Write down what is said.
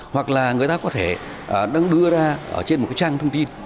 hoặc là người ta có thể đăng đưa ra trên một cái trang thông tin